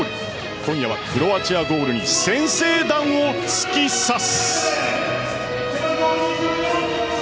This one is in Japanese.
今夜はクロアチアゴールに先制弾を突き刺す。